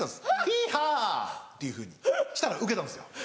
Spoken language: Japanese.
「ヒーハー！」っていうふうにしたらウケたんですよ。